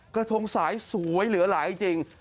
กระทงสายสวยเหลือหลายจริง